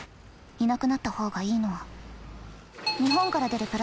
いなくなった方がいいのは。